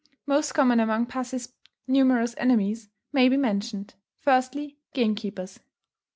Most common among pussy's numerous enemies may be mentioned, _Firstly, Gamekeepers.